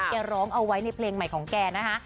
แกร้องเอาไว้ในเพลงใหม่ของแกนะคะ